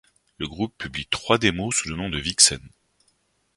Le groupe publie trois démos sous le nom de Vixen.